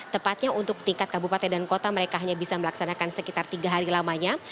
dan di tingkat kabupaten dan kota mereka hanya bisa melaksanakan sekitar tiga hari lamanya